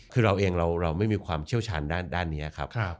คือเราเองเราไม่มีความเชี่ยวชาญด้านนี้ครับ